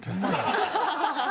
ハハハハ！